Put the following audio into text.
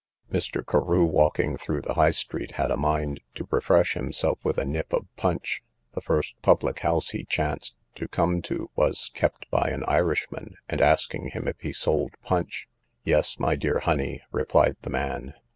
Mr. Carew, walking through the High street, had a mind to refresh himself with a nip of punch; the first public house he chanced to come to was kept by an Irishman, and asking him if he sold punch, Yes, my dear honey, replied the man.